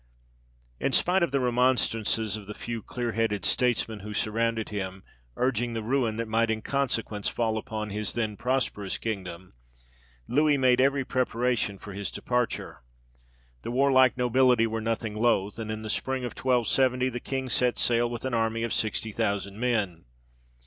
In spite of the remonstrances of the few clear headed statesmen who surrounded him, urging the ruin that might in consequence fall upon his then prosperous kingdom, Louis made every preparation for his departure. The warlike nobility were nothing loath; and in the spring of 1270, the king set sail with an army of sixty thousand men.